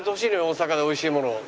大阪で美味しいものを。